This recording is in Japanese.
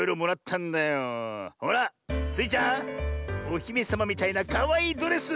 おひめさまみたいなかわいいドレス！